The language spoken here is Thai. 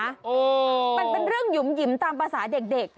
มันเป็นเรื่องหยุ่มหยิมตามภาษาเด็ก